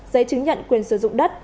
giấy chứng nhận quyền sử dụng đất